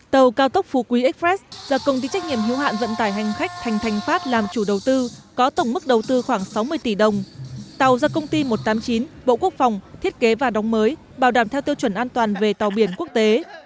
tàu cao tốc phú quý express do công ty trách nhiệm hiếu hạn vận tải hành khách thành thành pháp làm chủ đầu tư có tổng mức đầu tư khoảng sáu mươi tỷ đồng tàu do công ty một trăm tám mươi chín bộ quốc phòng thiết kế và đóng mới bảo đảm theo tiêu chuẩn an toàn về tàu biển quốc tế